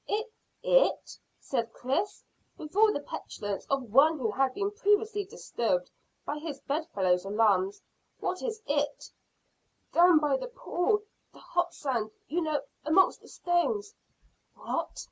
"It? It?" said Chris, with all the petulance of one who had been previously disturbed by his bed fellow's alarms. "What is it?" "Down by the pool the hot sand you know amongst the stones." "What!